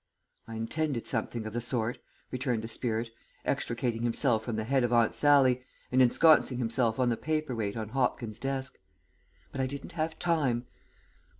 "I intended something of the sort," returned the spirit, extricating himself from the head of Aunt Sallie, and ensconcing himself on the paper weight on Hopkins' desk. "But I didn't have time.